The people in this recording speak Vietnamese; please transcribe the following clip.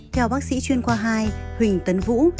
theo bác sĩ chuyên khoa hai huỳnh tấn vũ